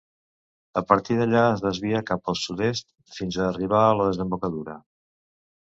A partir d'allà es desvia cap al Sud-est fins a arribar a la desembocadura.